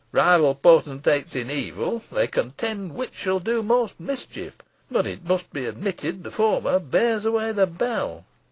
Rival potentates in evil, they contend which shall do most mischief, but it must be admitted the former bears away the bell."